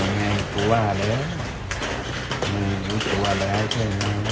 กูว่าแล้วมึงรู้ตัวแล้วใช่ไหม